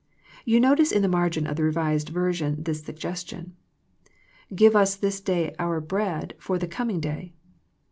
You notice in the margin of the Revised Version this suggestion, ^^ Give us this day our bread * for the coming day.'"